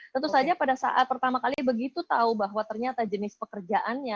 tentu saja pada saat pertama kali begitu tahu bahwa ternyata jenis pekerjaannya